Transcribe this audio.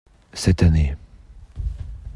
Cette année.